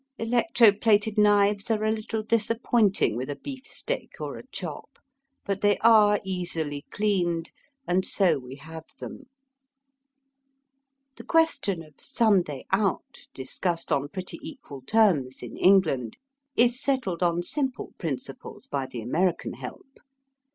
Electro plated knives are a little disappointing with a beefsteak or a chop ; but they are easily cleaned, and so we have them. The question of '' Sunday out," discussed on pretty equal terms in England, is settled on simple principles by the American help.